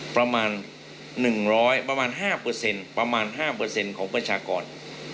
ประมาณ๑๐๐ประมาณ๕เปอร์เซ็นต์ประมาณ๕เปอร์เซ็นต์ของประชากร